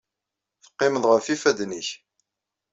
Teqqimeḍ ɣef yifadden-nnek.